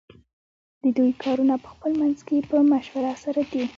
ددوی کارونه پخپل منځ کی په مشوره سره دی .